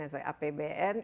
yang sebagai apbn